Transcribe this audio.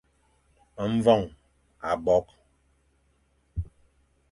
Mvoñ abokh.